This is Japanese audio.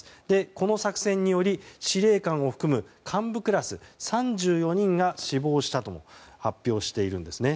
この作戦により司令官を含む幹部クラス３４人が死亡したとも発表しているんですね。